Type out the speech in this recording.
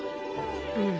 うん。